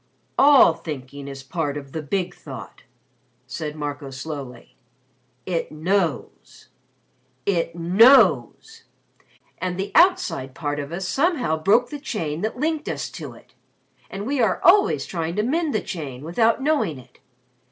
"All thinking is part of the Big Thought," said Marco slowly. "It knows It knows. And the outside part of us somehow broke the chain that linked us to It. And we are always trying to mend the chain, without knowing it.